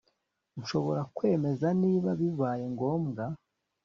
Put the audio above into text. Nshobora kwemeza niba bibaye ngombwa